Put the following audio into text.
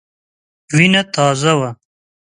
وینه تازه وه.